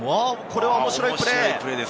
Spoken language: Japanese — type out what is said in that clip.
これは面白いプレー。